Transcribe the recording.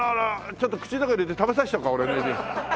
ちょっと口の中入れて食べさせちゃおうか俺の指。